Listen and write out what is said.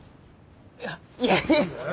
いや。いやいや！